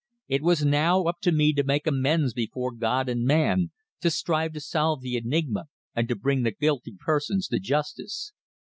It was now up to me to make amends before God and man, to strive to solve the enigma and to bring the guilty persons to justice.